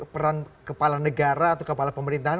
peran kepala negara atau kepala pemerintahan